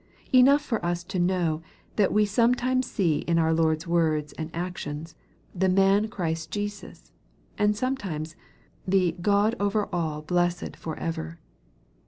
Enough for us to know that we sometimes see in our Lord's words and actions, the " man Christ Jesus," and sometimes the " God over all blessed for ever."